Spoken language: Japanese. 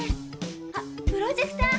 あっプロジェクター！